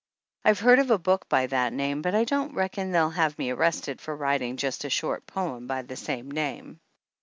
I've heard of a book by that name, but I don't reckon they'll have me arrested for writing just a short poem by the same name.